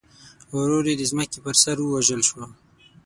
ورور یې د ځمکې پر سر ووژل شو.